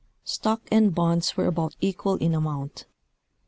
Stock and bonds were about equal in amount.